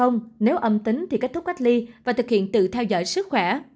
nếu âm tính thì kết thúc cách ly và thực hiện tự theo dõi sức khỏe